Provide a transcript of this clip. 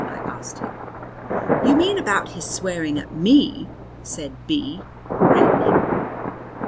I asked him. "You mean about his swearing at me," said B , reddening.